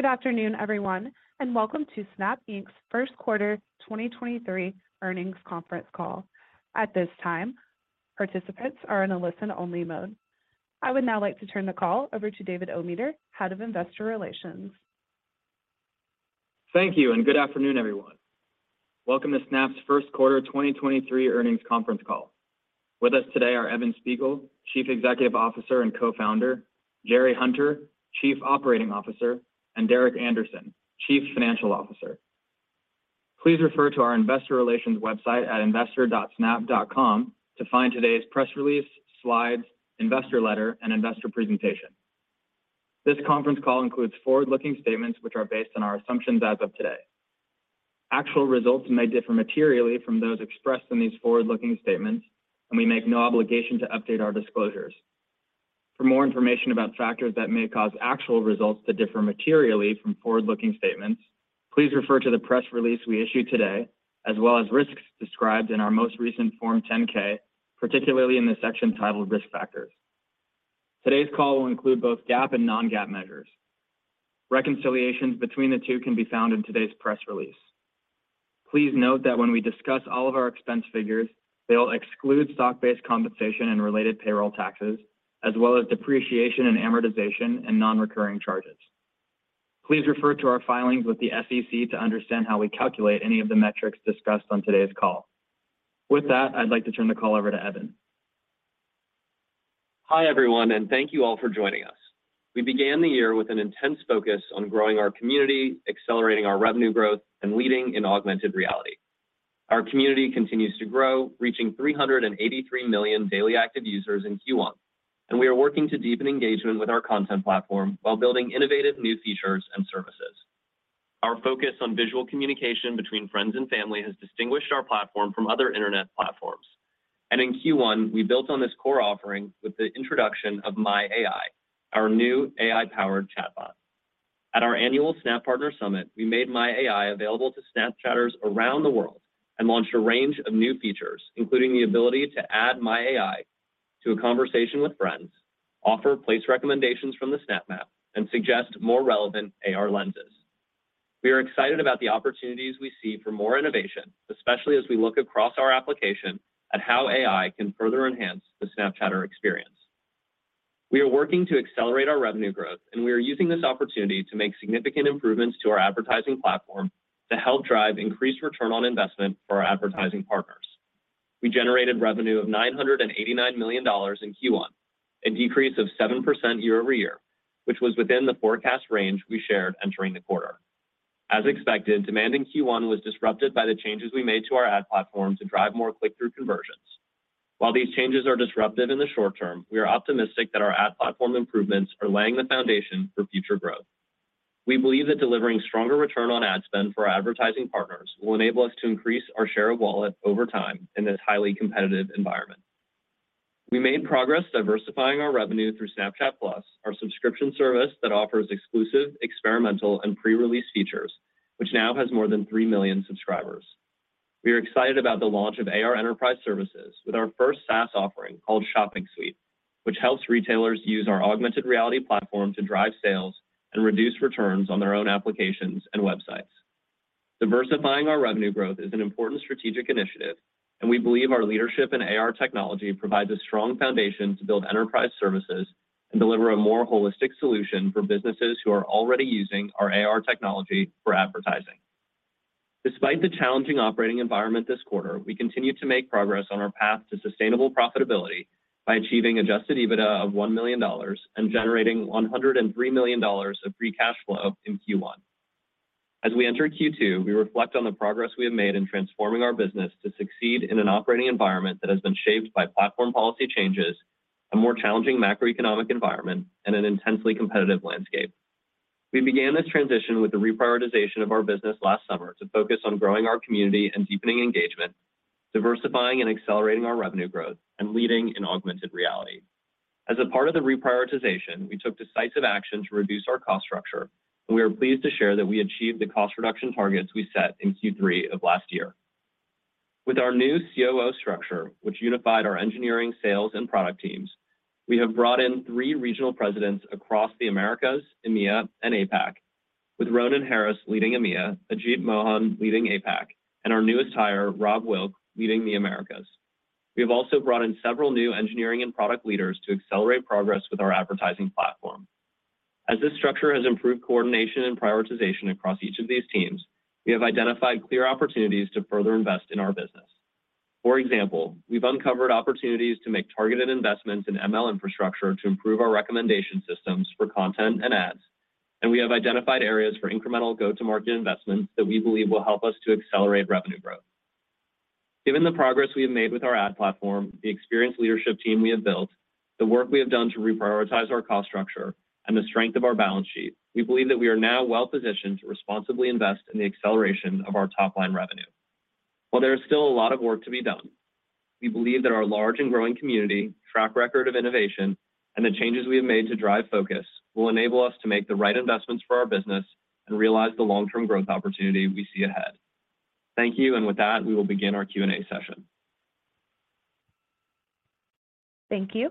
Good afternoon, everyone, and welcome to Snap Inc.'s Q1 2023 earnings conference call. At this time, participants are in a listen-only mode. I would now like to turn the call over to David Ometer, Head of Investor Relations. Thank you, good afternoon, everyone. Welcome to Snap's Q1 2023 earnings conference call. With us today are Evan Spiegel, Chief Executive Officer and Co-founder, Jerry Hunter, Chief Operating Officer, and Derek Andersen, Chief Financial Officer. Please refer to our investor relations website at investor.snap.com to find today's press release, slides, investor letter, and investor presentation. This conference call includes forward-looking statements which are based on our assumptions as of today. Actual results may differ materially from those expressed in these forward-looking statements, and we make no obligation to update our disclosures. For more information about factors that may cause actual results to differ materially from forward-looking statements, please refer to the press release we issued today, as well as risks described in our most recent Form 10-K, particularly in the section titled Risk Factors. Today's call will include both GAAP and non-GAAP measures. Reconciliations between the two can be found in today's press release. Please note that when we discuss all of our expense figures, they will exclude stock-based compensation and related payroll taxes, as well as depreciation and amortization and non-recurring charges. Please refer to our filings with the SEC to understand how we calculate any of the metrics discussed on today's call. With that, I'd like to turn the call over to Evan. Hi, everyone, and thank you all for joining us. We began the year with an intense focus on growing our community, accelerating our revenue growth, and leading in augmented reality. Our community continues to grow, reaching 383 million daily active users in Q1, and we are working to deepen engagement with our content platform while building innovative new features and services. Our focus on visual communication between friends and family has distinguished our platform from other internet platforms. In Q1, we built on this core offering with the introduction of My AI, our new AI-powered chatbot. At our annual Snap Partner Summit, we made My AI available to Snapchatters around the world and launched a range of new features, including the ability to add My AI to a conversation with friends, offer place recommendations from the Snap Map, and suggest more relevant AR lenses. We are excited about the opportunities we see for more innovation, especially as we look across our application at how AI can further enhance the Snapchatter experience. We are working to accelerate our revenue growth, and we are using this opportunity to make significant improvements to our advertising platform to help drive increased return on investment for our advertising partners. We generated revenue of $989 million in Q1, a decrease of 7% year-over-year, which was within the forecast range we shared entering the quarter. As expected, demand in Q1 was disrupted by the changes we made to our ad platform to drive more click-through conversions. While these changes are disruptive in the short term, we are optimistic that our ad platform improvements are laying the foundation for future growth. We believe that delivering stronger return on ad spend for our advertising partners will enable us to increase our share of wallet over time in this highly competitive environment. We made progress diversifying our revenue through Snapchat Plus, our subscription service that offers exclusive, experimental, and pre-release features, which now has more than 3 million subscribers. We are excited about the launch of AR Enterprise Services with our first SaaS offering called Shopping Suite, which helps retailers use our augmented reality platform to drive sales and reduce returns on their own applications and websites. Diversifying our revenue growth is an important strategic initiative, and we believe our leadership in AR technology provides a strong foundation to build enterprise services and deliver a more holistic solution for businesses who are already using our AR technology for advertising. Despite the challenging operating environment this quarter, we continue to make progress on our path to sustainable profitability by achieving adjusted EBITDA of $1 million and generating $103 million of free cash flow in Q1. As we enter Q2, we reflect on the progress we have made in transforming our business to succeed in an operating environment that has been shaped by platform policy changes, a more challenging macroeconomic environment, and an intensely competitive landscape. We began this transition with the reprioritization of our business last summer to focus on growing our community and deepening engagement, diversifying and accelerating our revenue growth, and leading in augmented reality. As a part of the reprioritization, we took decisive action to reduce our cost structure, and we are pleased to share that we achieved the cost reduction targets we set in Q3 of last year. With our new COO structure, which unified our engineering, sales, and product teams, we have brought in three regional presidents across the Americas, EMEA, and APAC, with Ronan Harris leading EMEA, Ajit Mohan leading APAC, and our newest hire, Rob Wilk, leading the Americas. We have also brought in several new engineering and product leaders to accelerate progress with our advertising platform. As this structure has improved coordination and prioritization across each of these teams, we have identified clear opportunities to further invest in our business. For example, we've uncovered opportunities to make targeted investments in ML infrastructure to improve our recommendation systems for content and ads, and we have identified areas for incremental go-to-market investments that we believe will help us to accelerate revenue growth. Given the progress we have made with our ad platform, the experienced leadership team we have built, the work we have done to reprioritize our cost structure, and the strength of our balance sheet, we believe that we are now well-positioned to responsibly invest in the acceleration of our top-line revenue. While there is still a lot of work to be done, we believe that our large and growing community, track record of innovation, and the changes we have made to drive focus will enable us to make the right investments for our business and realize the long-term growth opportunity we see ahead. Thank you. With that, we will begin our Q&A session. Thank you.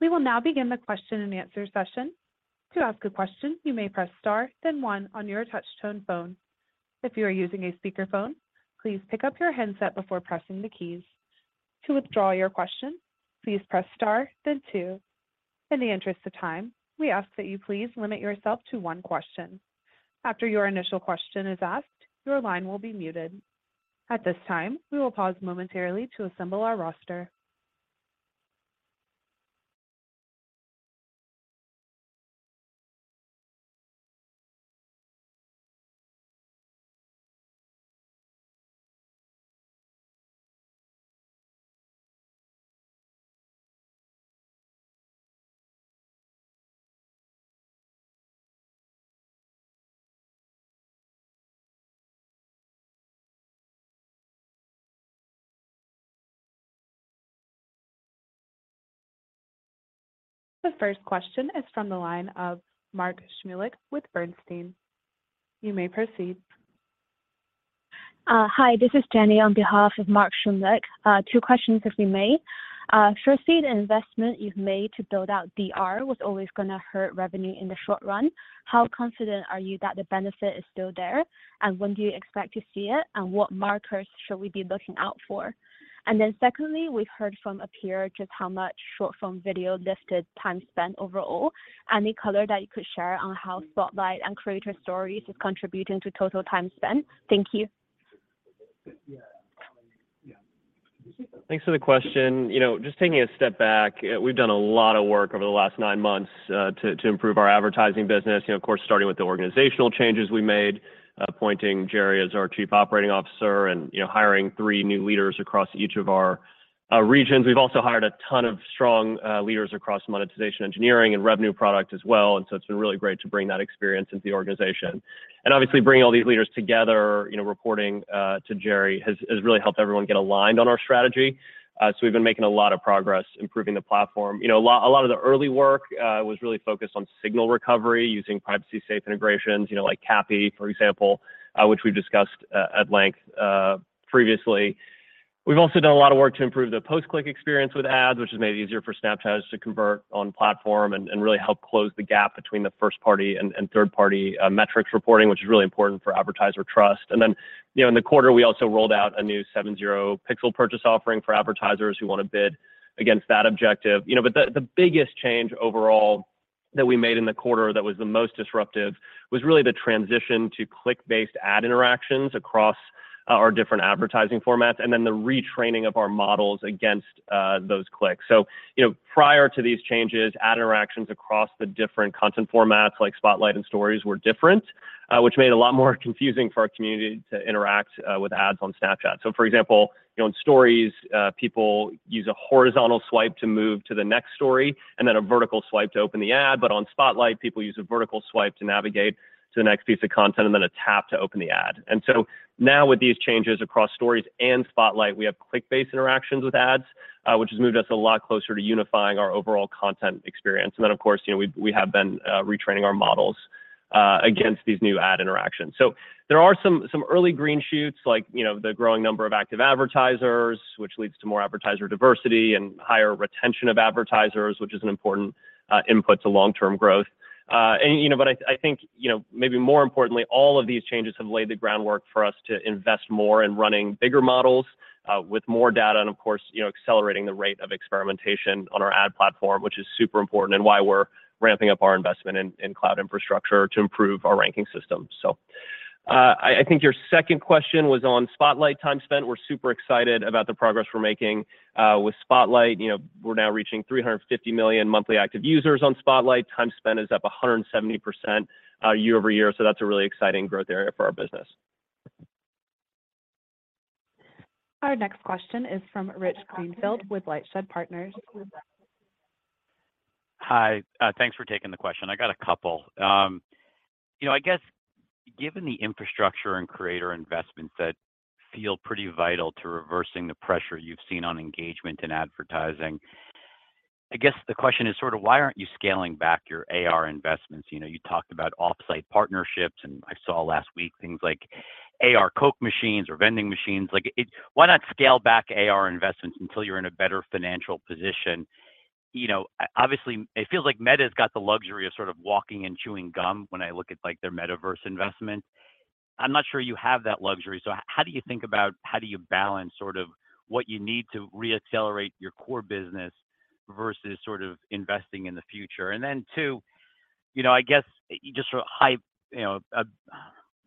We will now begin the question and answer session. To ask a question, you may press star then one on your touchtone phone. If you are using a speaker phone, please pick up your handset before pressing the keys. To withdraw your question, please press star then two. In the interest of time, we ask that you please limit yourself to one question. After your initial question is asked, your line will be muted. At this time, we will pause momentarily to assemble our roster. The first question is from the line of Mark Shmulik with Bernstein. You may proceed. Hi, this is Jenny on behalf of Mark Shmulik. Two questions, if we may. First, the investment you've made to build out DR was always gonna hurt revenue in the short run. How confident are you that the benefit is still there? When do you expect to see it? What markers should we be looking out for? Secondly, we've heard from a peer just how much short-form video lifted time spent overall. Any color that you could share on how Spotlight and Creator Stories is contributing to total time spent. Thank you. Thanks for the question. Just taking a step back, we've done a lot of work over the last nine months, to improve our advertising business., of course, starting with the organizational changes we made, appointing Jerry as our Chief Operating Officer and hiring three new leaders across each of our regions. We've also hired a ton of strong leaders across monetization engineering and revenue product as well. It's been really great to bring that experience into the organization. Obviously bringing all these leaders together reporting to Jerry has really helped everyone get aligned on our strategy. So we've been making a lot of progress improving the platform., a lot of the early work was really focused on signal recovery using privacy safe integrations like CAPI, for example, which we've discussed at length previously. We've also done a lot of work to improve the post-click experience with ads, which has made it easier for Snapchatters to convert on platform and really help close the gap between the first party and third party metrics reporting, which is really important for advertiser trust. In the quarter, we also rolled out a new 7/0 Pixel Purchase offering for advertisers who want to bid against that objective. The biggest change overall that we made in the quarter that was the most disruptive was really the transition to click-based ad interactions across our different advertising formats, and then the retraining of our models against those clicks., prior to these changes, ad interactions across the different content formats like Spotlight and Stories were different, which made it a lot more confusing for our community to interact with ads on Snapchat. For example in Stories, people use a horizontal swipe to move to the next story and then a vertical swipe to open the ad. On Spotlight, people use a vertical swipe to navigate to the next piece of content and then a tap to open the ad. Now with these changes across Stories and Spotlight, we have click-based interactions with ads, which has moved us a lot closer to unifying our overall content experience. Of course we have been retraining our models against these new ad interactions. There are some early green shoots like the growing number of active advertisers, which leads to more advertiser diversity and higher retention of advertisers, which is an important input to long-term growth. I think maybe more importantly, all of these changes have laid the groundwork for us to invest more in running bigger models, with more data and of course accelerating the rate of experimentation on our ad platform, which is super important and why we're ramping up our investment in cloud infrastructure to improve our ranking system. I think your second question was on Spotlight time spent. We're super excited about the progress we're making with Spotlight., we're now reaching 350 million monthly active users on Spotlight. Time spent is up 170% year-over-year. That's a really exciting growth area for our business. Our next question is from Rich Greenfield with LightShed Partners. Hi. Thanks for taking the question. I got a couple., I guess given the infrastructure and creator investments that feel pretty vital to reversing the pressure you've seen on engagement in advertising, I guess the question is sort of why aren't you scaling back your AR investments?, you talked about off-site partnerships, and I saw last week things like AR Coke machines or vending machines. Why not scale back AR investments until you're in a better financial position? Obviously, it feels like Meta's got the luxury of sort of walking and chewing gum when I look at, like, their metaverse investment. I'm not sure you have that luxury. How do you think about how do you balance sort of what you need to reaccelerate your core business versus sort of investing in the future? Two I guess just sort of high a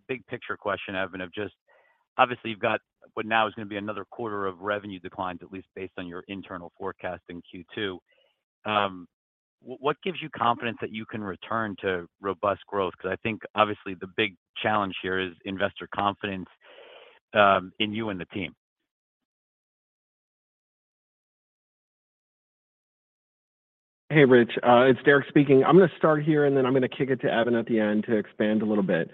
big picture question, Evan, of just obviously you've got what now is going to be another quarter of revenue declines, at least based on your internal forecast in Q2. What gives you confidence that you can return to robust growth? I think obviously the big challenge here is investor confidence, in you and the team. Hey, Rich. It's Derek speaking. I'm gonna start here, and then I'm gonna kick it to Evan at the end to expand a little bit.,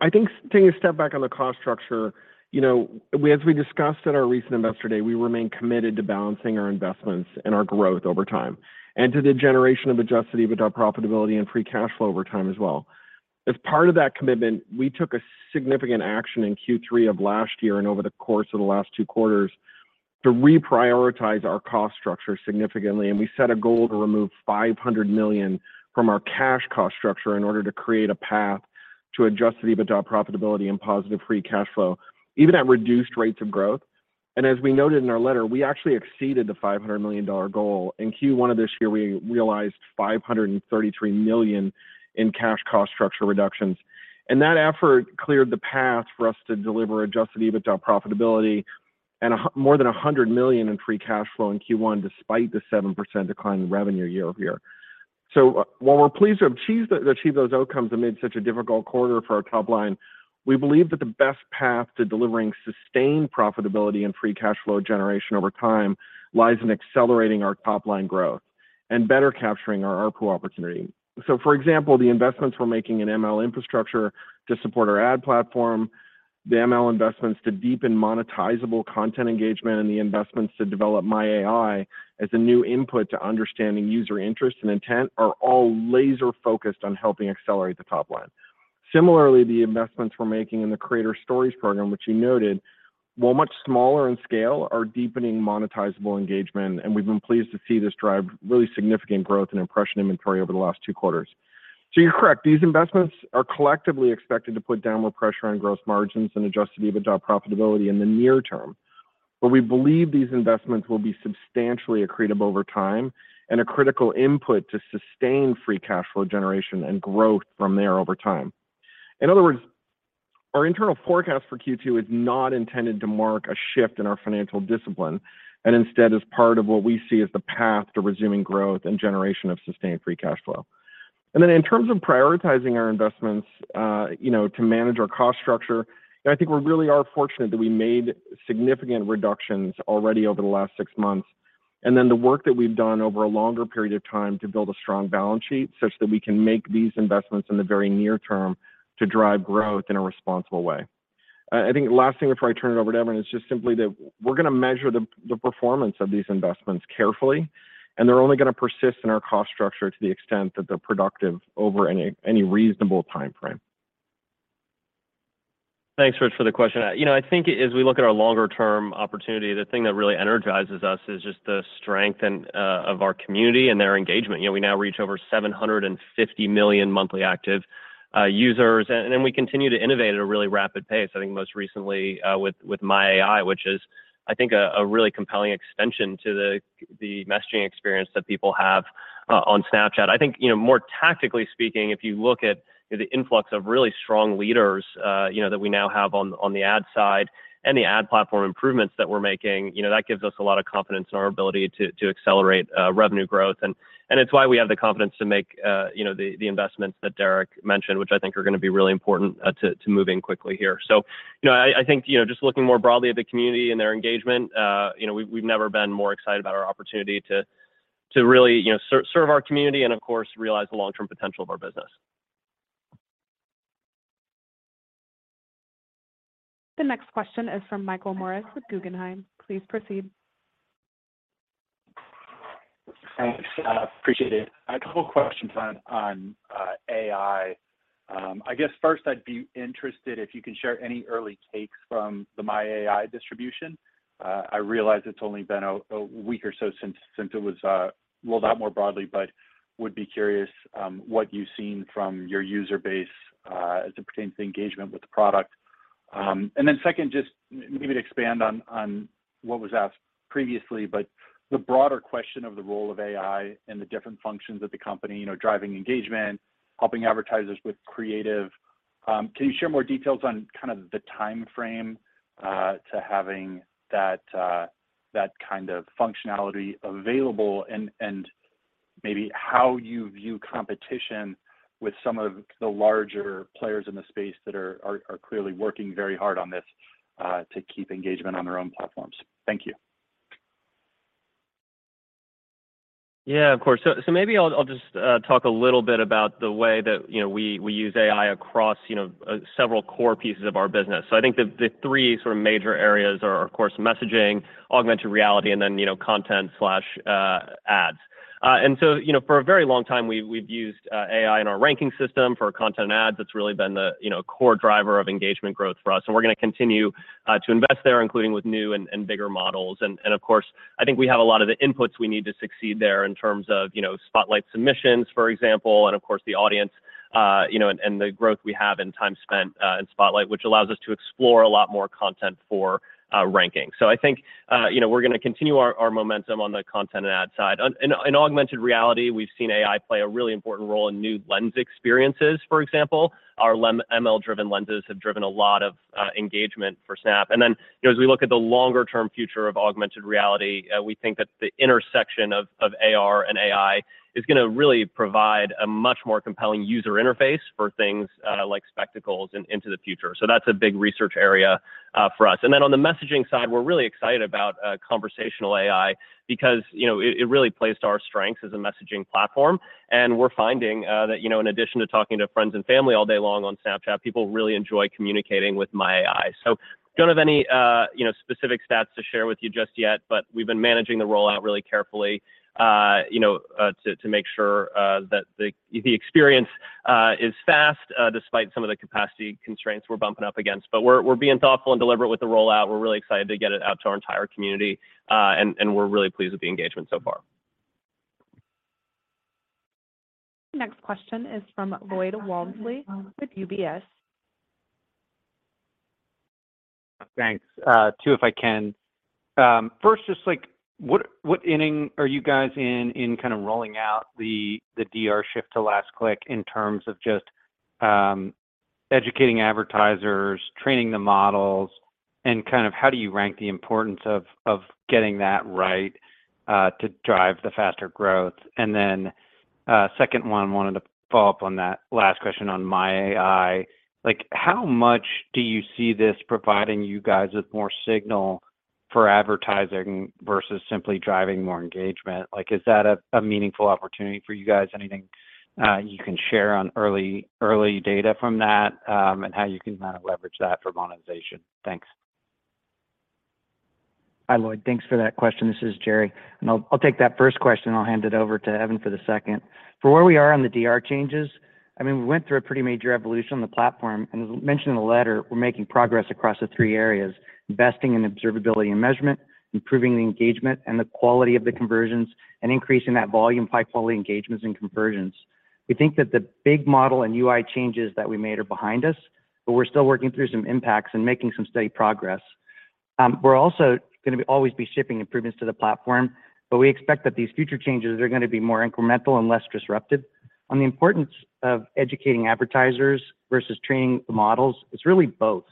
I think taking a step back on the cost structure as we discussed at our recent Investor Day, we remain committed to balancing our investments and our growth over time and to the generation of adjusted EBITDA profitability and free cash flow over time as well. As part of that commitment, we took a significant action in Q3 of last year and over the course of the last Q2 to reprioritize our cost structure significantly. We set a goal to remove $500 million from our cash cost structure in order to create a path to adjusted EBITDA profitability and positive free cash flow even at reduced rates of growth. As we noted in our letter, we actually exceeded the $500 million goal. In Q1 of this year, we realized $533 million in cash cost structure reductions. That effort cleared the path for us to deliver adjusted EBITDA profitability and more than $100 million in free cash flow in Q1 despite the 7% decline in revenue year-over-year. While we're pleased to have achieved those outcomes amid such a difficult quarter for our top line, we believe that the best path to delivering sustained profitability and free cash flow generation over time lies in accelerating our top-line growth and better capturing our ARPU opportunity. For example, the investments we're making in ML infrastructure to support our ad platform, the ML investments to deepen monetizable content engagement, and the investments to develop My AI as a new input to understanding user interest and intent are all laser-focused on helping accelerate the top line. Similarly, the investments we're making in the Creator Stories program, which you noted, while much smaller in scale, are deepening monetizable engagement, and we've been pleased to see this drive really significant growth in impression inventory over the last Q2. You're correct. These investments are collectively expected to put downward pressure on gross margins and adjusted EBITDA profitability in the near term. We believe these investments will be substantially accretive over time and a critical input to sustain free cash flow generation and growth from there over time. In other words, our internal forecast for Q2 is not intended to mark a shift in our financial discipline and instead is part of what we see as the path to resuming growth and generation of sustained free cash flow. In terms of prioritizing our investments to manage our cost structure, and I think we really are fortunate that we made significant reductions already over the last six months, and then the work that we've done over a longer period of time to build a strong balance sheet such that we can make these investments in the very near term to drive growth in a responsible way. I think last thing before I turn it over to Evan is just simply that we're gonna measure the performance of these investments carefully, and they're only gonna persist in our cost structure to the extent that they're productive over any reasonable timeframe. Thanks, Rich, for the question. I think as we look at our longer term opportunity, the thing that really energizes us is just the strength and of our community and their engagement. We now reach over 750 million monthly active users, and we continue to innovate at a really rapid pace, I think most recently with My AI, which is I think a really compelling extension to the messaging experience that people have on Snapchat. I think more tactically speaking, if you look at the influx of really strong leaders that we now have on the ad side and the ad platform improvements that we're making that gives us a lot of confidence in our ability to accelerate revenue growth. It's why we have the confidence to make the investments that Derek mentioned, which I think are gonna be really important, to moving quickly here. I think just looking more broadly at the community and their engagement we've never been more excited about our opportunity to really serve our community and of course, realize the long-term potential of our business. The next question is from Michael Morris with Guggenheim. Please proceed. Thanks. appreciate it. A couple questions on AI. I guess first I'd be interested if you can share any early takes from the My AI distribution. I realize it's only been a week or so since it was rolled out more broadly, but would be curious what you've seen from your user base as it pertains to engagement with the product. Second, just maybe to expand on what was asked previously, but the broader question of the role of AI in the different functions of the company driving engagement, helping advertisers with creative, can you share more details on kind of the timeframe to having that that kind of functionality available and maybe how you view competition with some of the larger players in the space that are clearly working very hard on this to keep engagement on their own platforms? Thank you. Yeah, of course. Maybe I'll just talk a little bit about the way that we use AI across several core pieces of our business. I think the three sort of major areas are of course, messaging, augmented reality, and then content slash ads. For a very long time, we've used AI in our ranking system for our content and ads. That's really been the core driver of engagement growth for us, and we're gonna continue to invest there, including with new and bigger models. Of course, I think we have a lot of the inputs we need to succeed there in terms of Spotlight submissions, for example, and of course the audience and the growth we have and time spent in Spotlight, which allows us to explore a lot more content for ranking. I think we're gonna continue our momentum on the content and ad side. In augmented reality, we've seen AI play a really important role in new lens experiences, for example. Our ML-driven lenses have driven a lot of engagement for Snap., as we look at the longer term future of augmented reality, we think that the intersection of AR and AI is gonna really provide a much more compelling user interface for things like Spectacles into the future. That's a big research area for us. On the messaging side, we're really excited about conversational AI because it really plays to our strengths as a messaging platform, and we're finding that in addition to talking to friends and family all day long on Snapchat, people really enjoy communicating with My AI. Don't have any specific stats to share with you just yet, but we've been managing the rollout really carefully to make sure that the experience is fast, despite some of the capacity constraints we're bumping up against. We're being thoughtful and deliberate with the rollout. We're really excited to get it out to our entire community, and we're really pleased with the engagement so far. Next question is from Lloyd Walmsley with UBS. Thanks. Two, if I can. First, what inning are you guys in kind of rolling out the DR shift to last click in terms of educating advertisers, training the models, and kind of how do you rank the importance of getting that right to drive the faster growth? Second one, wanted to follow up on that last question on My AI. How much do you see this providing you guys with more signal for advertising versus simply driving more engagement? Is that a meaningful opportunity for you guys? Anything you can share on early data from that and how you can kind of leverage that for monetization? Thanks. Hi, Lloyd. Thanks for that question. This is Jerry, I'll take that first question, I'll hand it over to Evan for the second. For where we are on the DR changes, I mean, we went through a pretty major evolution on the platform, as mentioned in the letter, we're making progress across the three areas: investing in observability and measurement, improving the engagement and the quality of the conversions, and increasing that volume by quality engagements and conversions. We think that the big model and UI changes that we made are behind us, we're still working through some impacts and making some steady progress. We're also gonna be always shipping improvements to the platform, we expect that these future changes are gonna be more incremental and less disruptive. On the importance of educating advertisers versus training the models, it's really both.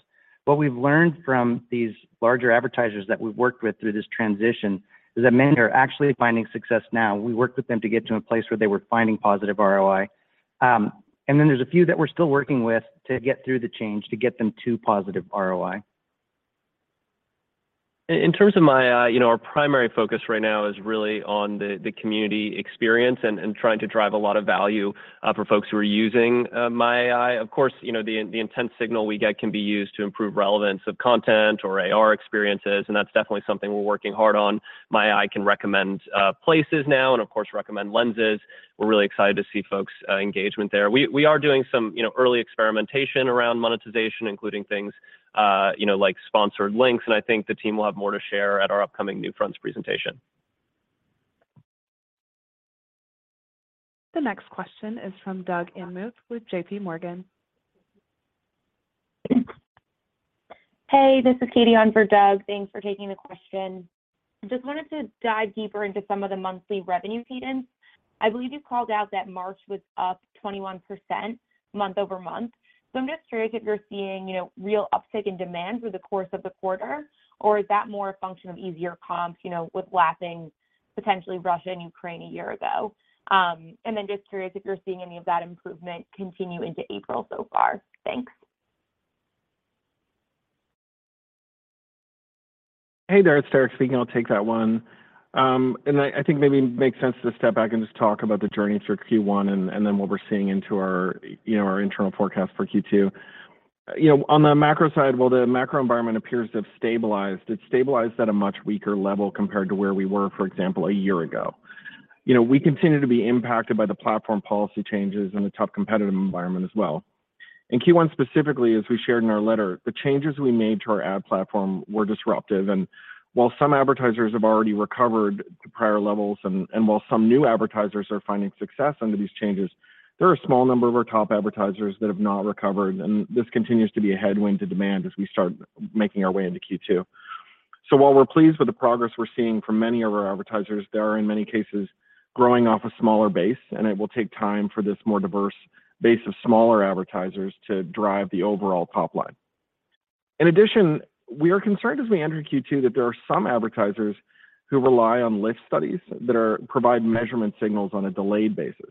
What we've learned from these larger advertisers that we've worked with through this transition is that many are actually finding success now. We worked with them to get to a place where they were finding positive ROI. there's a few that we're still working with to get through the change to get them to positive ROI. In terms of My ai our primary focus right now is really on the community experience and trying to drive a lot of value for folks who are using My AI. Of course the intent signal we get can be used to improve relevance of content or AR experiences, and that's definitely something we're working hard on. My AI can recommend places now and, of course, recommend lenses. We're really excited to see folks' engagement there. We are doing some early experimentation around monetization, including things like sponsored links, and I think the team will have more to share at our upcoming NewFronts presentation. The next question is from Doug Anmuth with J.P. Morgan. Hey, this is Katie on for Doug. Thanks for taking the question. Just wanted to dive deeper into some of the monthly revenue cadence. I believe you called out that March was up 21% month-over-month. I'm just curious if you're seeing real uptick in demand through the course of the quarter, or is that more a function of easier comps with lapping potentially Russia and Ukraine a year ago? Just curious if you're seeing any of that improvement continue into April so far. Thanks. Hey there. It's Derek speaking. I'll take that one. I think maybe it makes sense to step back and just talk about the journey through Q1 and then what we're seeing into our our internal forecast for Q2. On the macro side, while the macro environment appears to have stabilized, it's stabilized at a much weaker level compared to where we were, for example, a year ago. We continue to be impacted by the platform policy changes and a tough competitive environment as well. In Q1 specifically, as we shared in our letter, the changes we made to our ad platform were disruptive. While some advertisers have already recovered to prior levels and while some new advertisers are finding success under these changes, there are a small number of our top advertisers that have not recovered, and this continues to be a headwind to demand as we start making our way into Q2. While we're pleased with the progress we're seeing from many of our advertisers, they are, in many cases, growing off a smaller base, and it will take time for this more diverse base of smaller advertisers to drive the overall top line. In addition, we are concerned as we enter Q2 that there are some advertisers who rely on lift studies that provide measurement signals on a delayed basis.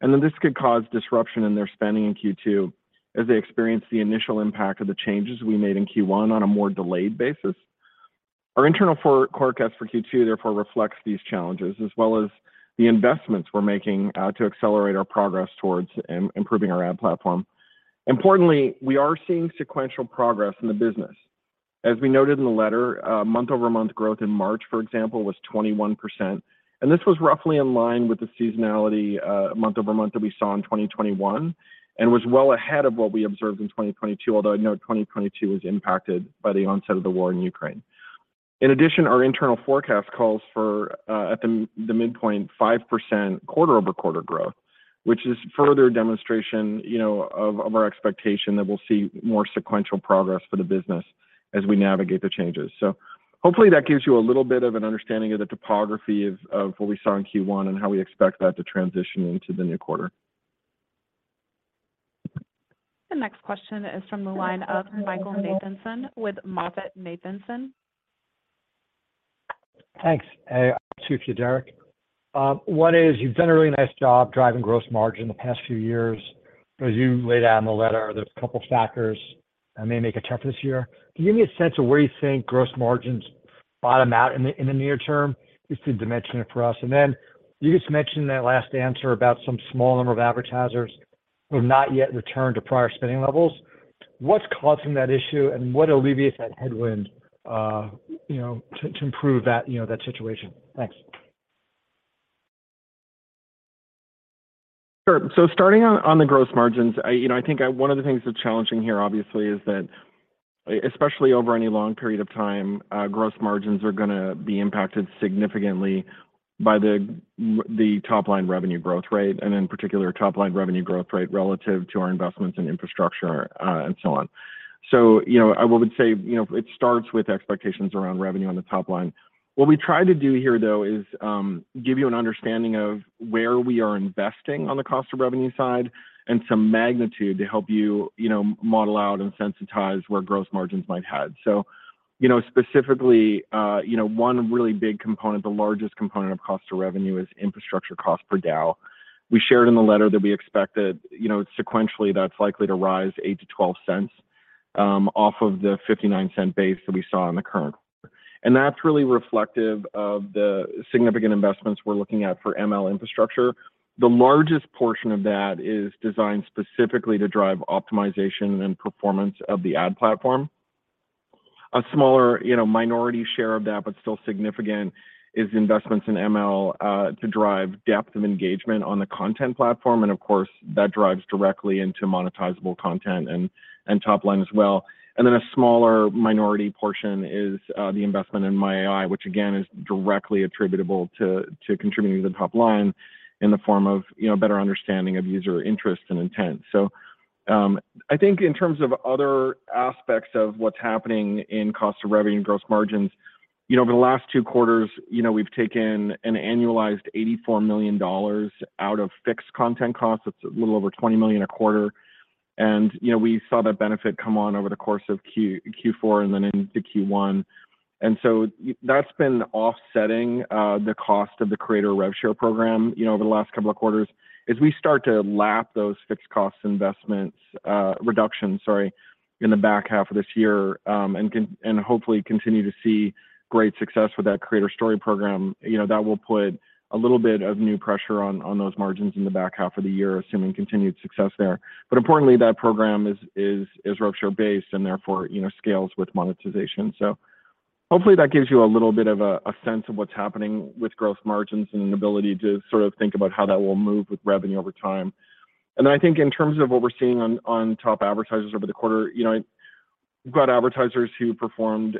This could cause disruption in their spending in Q2 as they experience the initial impact of the changes we made in Q1 on a more delayed basis. Our internal forecast for Q2 therefore reflects these challenges, as well as the investments we're making to accelerate our progress towards improving our ad platform. Importantly, we are seeing sequential progress in the business. As we noted in the letter, month-over-month growth in March, for example, was 21%. This was roughly in line with the seasonality, month-over-month that we saw in 2021, and was well ahead of what we observed in 2022, although I know 2022 was impacted by the onset of the war in Ukraine. In addition, our internal forecast calls for the midpoint, 5% quarter-over-quarter growth, which is further demonstration of our expectation that we'll see more sequential progress for the business as we navigate the changes. Hopefully that gives you a little bit of an understanding of the topography of what we saw in Q1 and how we expect that to transition into the new quarter. The next question is from the line of Michael Nathanson with MoffettNathanson. Thanks. 2 for you, Derek. 1 is you've done a really nice job driving gross margin the past few years. As you laid out in the letter, there's a couple factors that may make it tougher this year. Can you give me a sense of where you think gross margins bottom out in the, in the near term, just to dimension it for us? Then you just mentioned in that last answer about some small number of advertisers who have not yet returned to prior spending levels. What's causing that issue, and what alleviates that headwind to improve that that situation? Thanks. Sure. Starting on the gross margins, i I think one of the things that's challenging here obviously is that especially over any long period of time, gross margins are gonna be impacted significantly by the top line revenue growth rate, and in particular, top line revenue growth rate relative to our investments in infrastructure, and so on. I would say it starts with expectations around revenue on the top line. What we try to do here though is give you an understanding of where we are investing on the cost of revenue side and some magnitude to help, model out and sensitize where gross margins might head. Specifically one really big component, the largest component of cost of revenue is infrastructure cost per DAU. We shared in the letter that we expect that sequentially, that's likely to rise $0.08-$0.12 off of the $0.59 base that we saw in the current. That's really reflective of the significant investments we're looking at for ML infrastructure. The largest portion of that is designed specifically to drive optimization and performance of the ad platform. A smaller minority share of that, but still significant, is investments in ML to drive depth of engagement on the content platform, and of course, that drives directly into monetizable content and top line as well. Then a smaller minority portion is the investment in My AI, which again is directly attributable to contributing to the top line in the form of better understanding of user interest and intent. I think in terms of other aspects of what's happening in cost of revenue and gross margins over the last Q2 we've taken an annualized $84 million out of fixed content costs. That's a little over $20 million a quarter. We saw that benefit come on over the course of Q4 and then into Q1. That's been offsetting the cost of the creator rev share program over the last couple of quarters. As we start to lap those fixed cost investments, reductions, sorry, in the back half of this year, and hopefully continue to see great success with that Creator Stories program that will put a little bit of new pressure on those margins in the back half of the year, assuming continued success there. Importantly, that program is rev share based, and therefore scales with monetization. Hopefully that gives you a little bit of a sense of what's happening with growth margins and an ability to sort of think about how that will move with revenue over time. Then I think in terms of what we're seeing on top advertisers over the quarter we've got advertisers who performed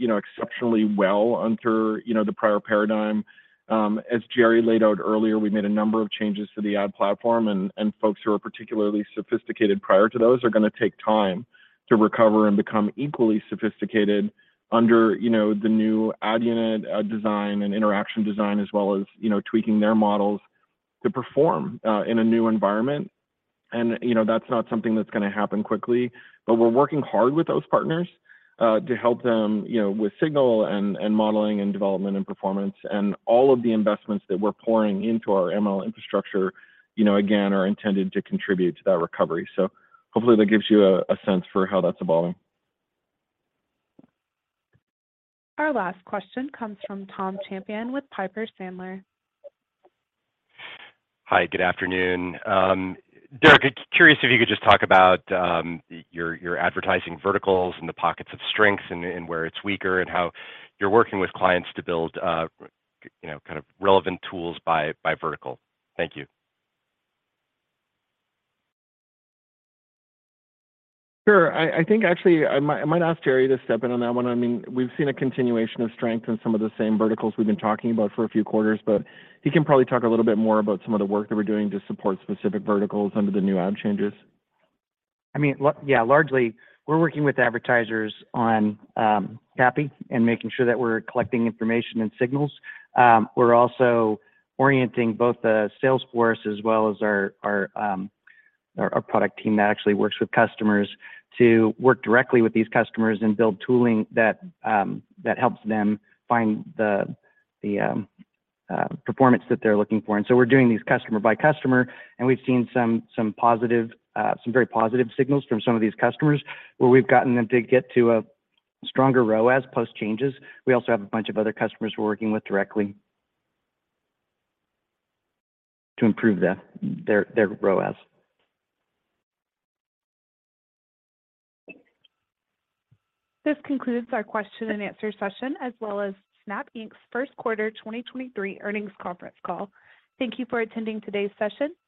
exceptionally well under the prior paradigm. As Jerry laid out earlier, we made a number of changes to the ad platform, and folks who are particularly sophisticated prior to those are gonna take time to recover and become equally sophisticated under the new ad unit, ad design, and interaction design, as well as tweaking their models to perform in a new environment. That's not something that's gonna happen quickly. We're working hard with those partners, to help them with signal and modeling and development and performance. All of the investments that we're pouring into our ML infrastructure again, are intended to contribute to that recovery. Hopefully that gives you a sense for how that's evolving. Our last question comes from Tom Champion with Piper Sandler. Hi, good afternoon. Derek, curious if you could just talk about your advertising verticals and the pockets of strengths and where it's weaker, and how you're working with clients to build kind of relevant tools by vertical. Thank you. Sure. I think actually I might ask Jerry to step in on that one. I mean, we've seen a continuation of strength in some of the same verticals we've been talking about for a few quarters. He can probably talk a little bit more about some of the work that we're doing to support specific verticals under the new ad changes. I mean, yeah, largely we're working with advertisers on CAPI and making sure that we're collecting information and signals. We're also orienting both the sales force as well as our product team that actually works with customers to work directly with these customers and build tooling that helps them find the performance that they're looking for. We're doing these customer by customer, and we've seen some positive, some very positive signals from some of these customers where we've gotten them to get to a stronger ROAS post-changes. We have a bunch of other customers we're working with directly to improve their ROAS. This concludes our question and answer session, as well as Snap Inc.'s Q1 2023 earnings conference call. Thank you for attending today's session.